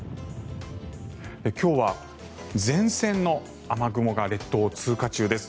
今日は前線の雨雲が列島を通過中です。